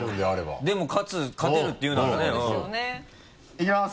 いきます。